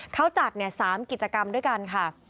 เขาจัด๓กิจกรรมด้วยกันค่ะ